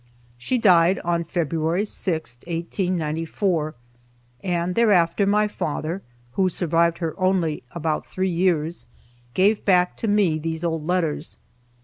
She died on February 6, 1894, and thereafter my father (who survived her only about three years) gave back to me these old letters.